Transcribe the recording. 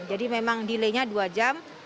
jadi memang delay nya dua jam